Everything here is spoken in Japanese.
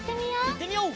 いってみよう！